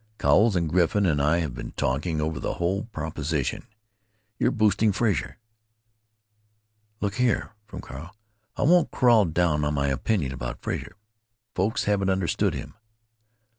"Cowles and Griffin and I have been talking over the whole proposition. Your boosting Frazer——" "Look here," from Carl, "I won't crawl down on my opinion about Frazer. Folks haven't understood him."